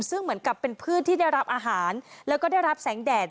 ซึ่งเหมือนกับเป็นพืชที่ได้รับอาหารแล้วก็ได้รับแสงแดด